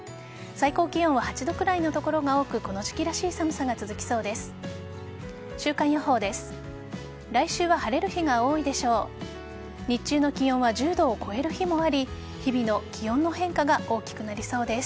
最高気温は８度くらいの所が多くこの時期らしい寒さが続きそうです。